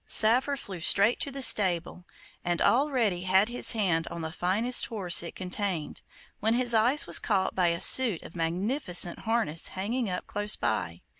Saphir flew straight to the stable, and already had his hand on the finest horse it contained, when his eye was caught by a suit of magnificent harness hanging up close by.